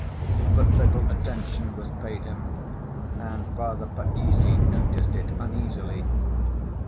But little attention was paid him and Father Païssy noticed it uneasily.